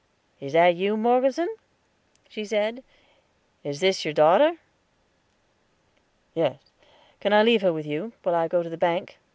"Is that you, Morgeson?" she said. "Is this your daughter?" "Yes; can I leave her with you, while I go to the bank?